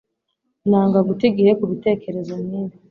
Nanga guta igihe kubitekerezo nkibi.